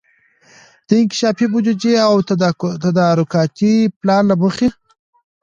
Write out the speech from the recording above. د انکشافي بودیجې او تدارکاتي پلان له مخي